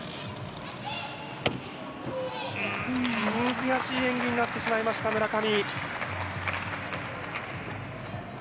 悔しい演技になってしまいました村上。